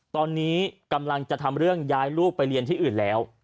ตอนนี้กำลังจะทำเรื่องย้ายลูกไปเรียนที่อื่นแล้ว